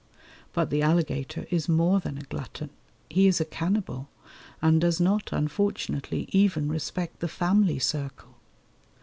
But the alligator is more than a glutton; he is a cannibal, and does not, unfortunately, even respect the family circle.